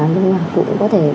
là cũng có thể